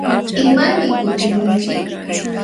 ¿Imaymi kutimunki?